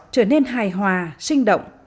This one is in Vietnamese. trở nên hài hòa sinh động